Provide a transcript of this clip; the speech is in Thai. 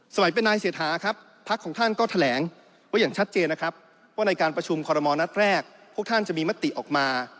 สมัยเป็นนายเศรษฐาครับพักของท่านก็แถลงไว้อย่างชัดเจนนะครับว่าในการประชุมคอรมอลนัดแรกพวกท่านจะมีมติออกมา